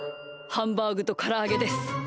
ハンバーグとからあげです。